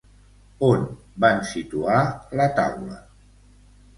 On van situar la taula?